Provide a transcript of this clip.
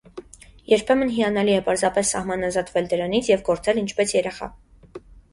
Երբեմն հիանալի է պարզապես սահմանազատվել դրանից և գործել ինչպես երեխա։